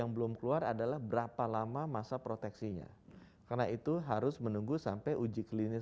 yang belum keluar adalah berapa lama masa proteksinya karena itu harus menunggu sampai uji klinis